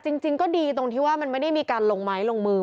จริงก็ดีตรงที่ว่ามันไม่ได้มีการลงไม้ลงมือ